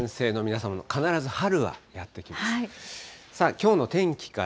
さあ、きょうの天気から。